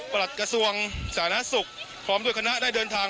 หลักกระทรวงสาธารณสุขพร้อมด้วยคณะได้เดินทาง